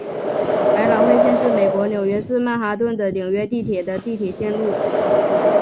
百老汇线是美国纽约市曼哈顿的纽约地铁的地铁路线。